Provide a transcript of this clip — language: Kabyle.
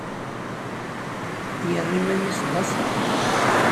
Yerra iman-is d asaḍ.